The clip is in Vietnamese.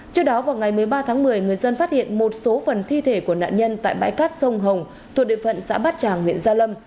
trước đó vào ngày một mươi ba tháng một mươi người dân phát hiện một số phần thi thể của nạn nhân tại bãi cát sông hồng thuộc địa phận xã bát tràng huyện gia lâm